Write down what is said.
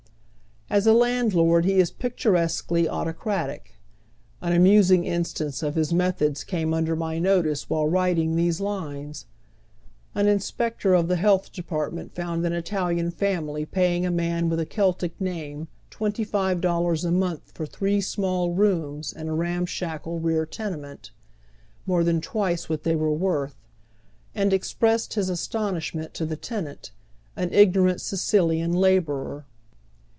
As a landlord he is picturesquely autocratic. An amusing instance of his methods came under my notice wliilo writing these lines. An inspector of the Health Department found an Italian family paying a man with a Celtic name twenty iive dollars a month for three small rooms in a ramsliackle rear tenement — more than twice what they were worth — and expressed his astonishment to the tenant, an ig norant Siciiian laborer.